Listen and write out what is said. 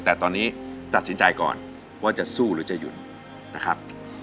แต่ตอนนี้ตัดสินใจก่อนว่าจะสู้หรือจะหยุดนะครับ